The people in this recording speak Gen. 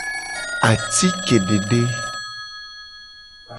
Atike dede.